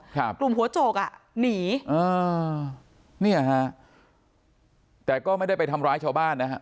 กลุ่มหัวโจกอ่ะหนีอ่าเนี่ยฮะแต่ก็ไม่ได้ไปทำร้ายชาวบ้านนะฮะ